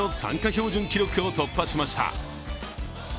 標準記録を突破しました。